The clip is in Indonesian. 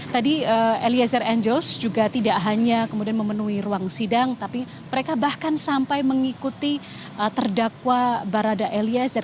tadi eliezer angels juga tidak hanya kemudian memenuhi ruang sidang tapi mereka bahkan sampai mengikuti terdakwa barada eliezer